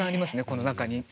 この中に。